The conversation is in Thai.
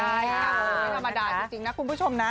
ใช่ไม่ธรรมดาจริงนะคุณผู้ชมนะ